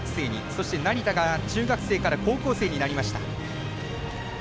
そして、成田が中学生から高校生になりました。